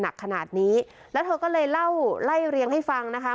หนักขนาดนี้แล้วเธอก็เลยเล่าไล่เรียงให้ฟังนะคะ